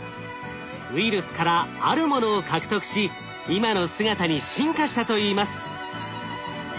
ウイルスからあるものを獲得し今の姿に進化したといいます。